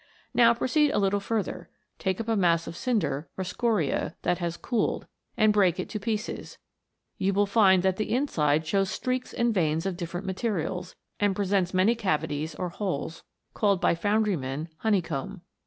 Now proceed a little further ; take up a mass of cinder, or scoria, that has cooled, and break it to pieces you will find that the inside shows streaks and veins of dif ferent materials, and presents many cavities or holes, called by foundrymen " honeycomb."